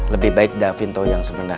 lebih baik davin tau yang sebenarnya rab